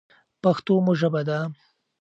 پښتو مو ژبه ده.